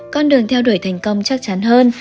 con đường theo đuổi thành công chắc chắn hơn